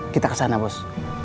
kita kesana bos